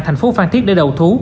thành phố phan thiết để đầu thú